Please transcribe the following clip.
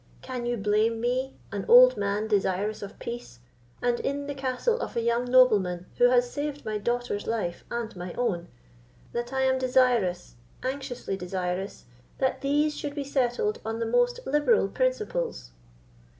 Can you blame me, an old man desirous of peace, and in the castle of a young nobleman who has saved my daughter's life and my own, that I am desirous, anxiously desirous, that these should be settled on the most liberal principles?"